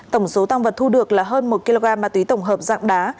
tổng số tăng vật thu được là hơn một kg ma túy tổng hợp dạng đá